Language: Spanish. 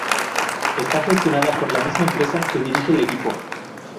Está gestionada por la misma empresa que dirige el equipo.